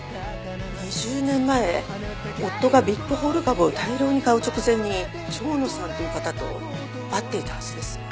２０年前夫がビッグホール株を大量に買う直前に蝶野さんという方と会っていたはずです。